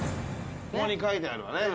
ここに書いてあるわね。